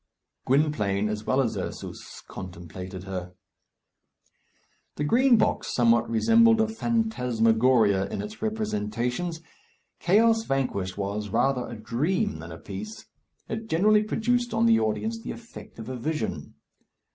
Gwynplaine, as well as Ursus, contemplated her. The Green Box somewhat resembled a phantasmagoria in its representations. "Chaos Vanquished" was rather a dream than a piece; it generally produced on the audience the effect of a vision.